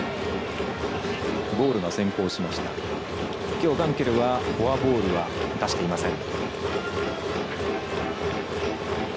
きょう、ガンケルはフォアボールは出していません。